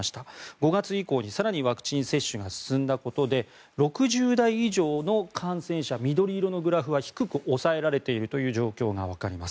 ５月以降に更にワクチン接種が進んだことで６０代以上の感染者緑色のグラフは低く抑えられていることがわかります。